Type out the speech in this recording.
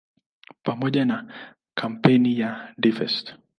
Pamoja na kampeni ya "Divest!